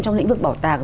trong lĩnh vực bảo tàng